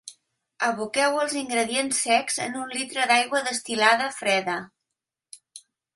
Aboqueu els ingredients secs en un litre d'aigua destil·lada freda.